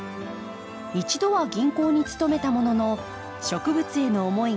一度は銀行に勤めたものの植物への思いが捨てきれず庭師に。